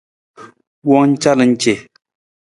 Wowang calan ce.